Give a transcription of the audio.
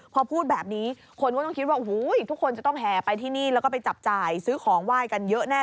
พอพูดแบบนี้ควรต้องคิดว่า